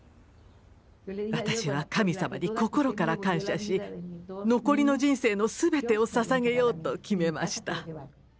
私は神様に心から感謝し残りの人生のすべてをささげようと決めました。